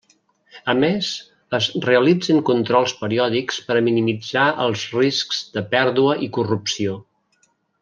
A més es realitzen controls periòdics per a minimitzar els riscs de pèrdua i corrupció.